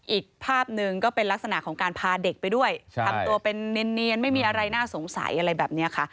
อีกภาพหนึ่งก็เป็นลักษณะของการพาเด็กไปด้วยทำตัวเป็นเนียนไม่มีอะไรน่าสงสัยอะไรแบบนี้ค่ะ